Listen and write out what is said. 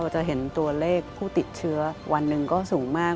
จะเห็นตัวเลขผู้ติดเชื้อวันหนึ่งก็สูงมาก